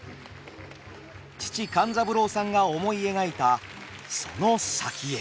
父勘三郎さんが思い描いたその先へ。